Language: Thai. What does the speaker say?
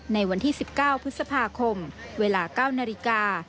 ในวันที่๑๙พฤษภาคมเวลา๙นาฬิกา